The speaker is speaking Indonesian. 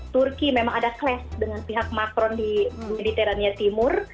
turki memang ada clash dengan pihak macron di mediterania timur